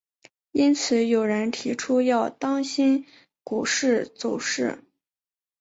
因此有人提出要当心股市走势。